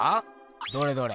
どれどれ。